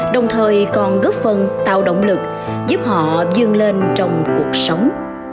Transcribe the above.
đồng thời còn góp phần tạo động lực giúp họ dương lên trong cuộc sống